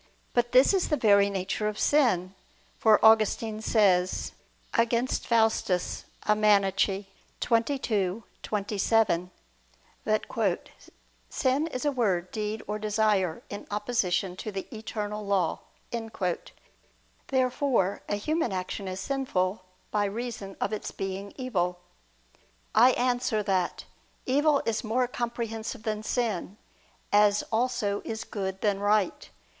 But this is the very nature of sin; for Augustine says (Contra Faust. xxii, 27) that "sin is a word, deed, or desire, in opposition to the Eternal Law." Therefore a human action is sinful by reason of its being evil. I answer that, Evil is more comprehensive than sin, as also is good than right.